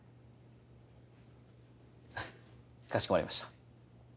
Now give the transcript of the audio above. かしこまりました。